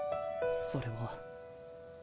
それは。